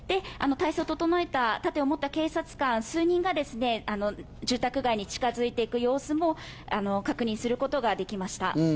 態勢を整えて盾を持った警察官数人が住宅街に近づいていく様子も確認することができました。